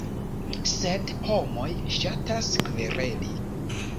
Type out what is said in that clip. Sed homoj ŝatas kvereli.